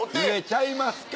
ちゃいますか？